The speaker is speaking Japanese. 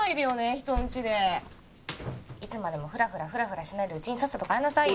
人んちでいつまでもフラフラフラフラしないでウチにさっさと帰りなさいよ